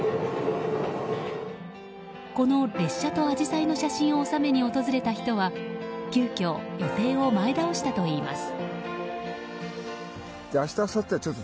この列車とアジサイの写真を収めに訪れた人は急きょ予定を前倒したといいます。